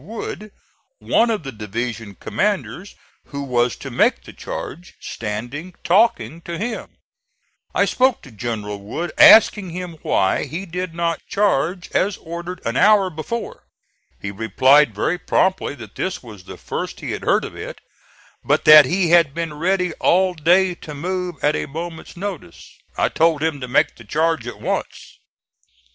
Wood, one of the division commanders who was to make the charge, standing talking to him. I spoke to General Wood, asking him why he did not charge as ordered an hour before. He replied very promptly that this was the first he had heard of it, but that he had been ready all day to move at a moment's notice. I told him to make the charge at once.